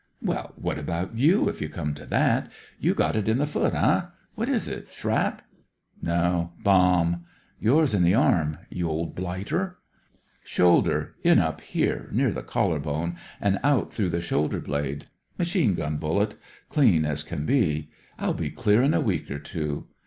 "Well, what about you, if you come to that. You got it in the foot, eh? What is it— shrap ?" "No, bomb. Yours in the arm — ^you old blighter ?"" Shoulder ; in up here, near the collar bone, and out through the shoulder blade. Machine gun bullet; clean as can be. I'll be clear in a week or two.